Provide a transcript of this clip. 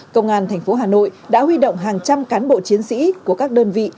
công an tp hà nội đã huy động hàng trăm cán bộ chiến sĩ của các đơn vị